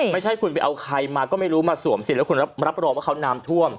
ไม่ใช่คุณไปเอาใครมาก็ไม่รู้มาสวมสิทธิแล้วคุณรับรองว่าเขาน้ำท่วม